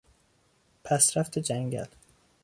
پسرفت جنگل